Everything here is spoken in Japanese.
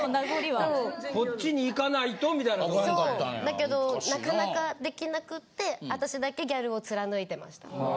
だけどなかなかできなくって私だけギャルを貫いてました。